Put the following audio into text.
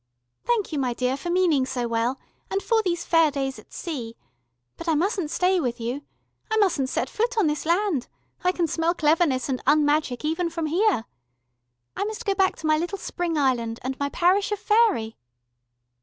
Thank you, my dear, for meaning so well, and for these fair days at sea. But I mustn't stay with you. I mustn't set foot on this land I can smell cleverness and un magic even from here. I must go back to my little Spring island, and my parish of Faery...."